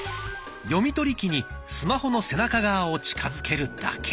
読み取り機にスマホの背中側を近づけるだけ。